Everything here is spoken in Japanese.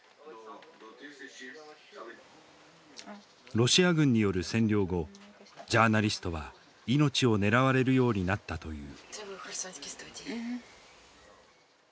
ロシア軍による占領後ジャーナリストは命を狙われるようになったという。